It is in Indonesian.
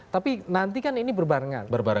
tapi nanti kan ini berbarengan